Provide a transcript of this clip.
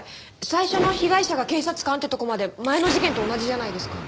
最初の被害者が警察官ってとこまで前の事件と同じじゃないですか。